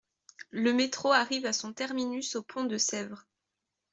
Le métro arrive à son terminus au pont de Sèvres.